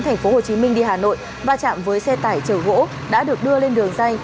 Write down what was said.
thành phố hồ chí minh đi hà nội và chạm với xe tải chở gỗ đã được đưa lên đường dây